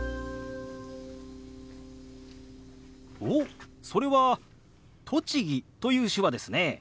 おっそれは「栃木」という手話ですね。